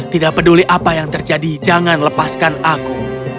tidak peduli apa yang terjadi jangan lepaskan aku